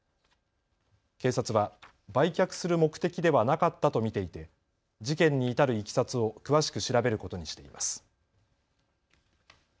警察は売却する目的ではなかったと見ていて事件に至るいきさつを詳しく調べることにしています。